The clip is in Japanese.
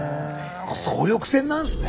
総力戦なんすね。